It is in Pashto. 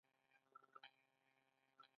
رباب ولې د افغانانو ساز دی؟